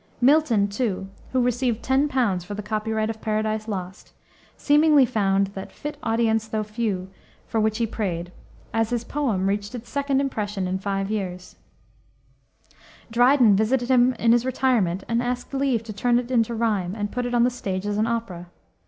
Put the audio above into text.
Milton, too who received 10 pounds for the copyright of Paradise Lost seemingly found that "fit audience though few" for which he prayed, as his poem reached its second impression in five years (1672). Dryden visited him in his retirement and asked leave to turn it into rime and put it on the stage as an opera.